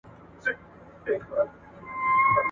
یو کس له لرې راروان و.